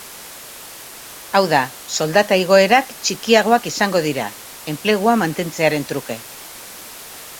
Hau da, soldata igoera txikiagoak izango dira, enplegua mantentzearen truke.